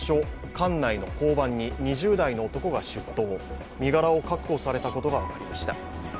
管内の交番に２０代の男が出頭、身柄を確保されたことが分かりました。